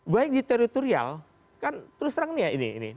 baik di teritorial kan terus terang nih ya ini